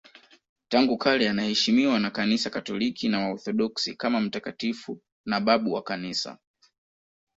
Tangu kale anaheshimiwa na Kanisa Katoliki na Waorthodoksi kama mtakatifu na babu wa Kanisa.